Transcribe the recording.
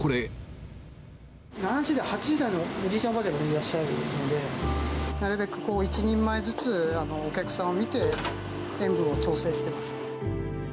７０代、８０代のおじいちゃん、おばあちゃんもいらっしゃるので、なるべく１人前ずつ、お客さんを見て、塩分を調整してます。